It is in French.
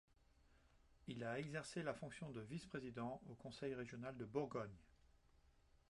Il a exercé la fonction de vice-président au conseil régional de Bourgogne.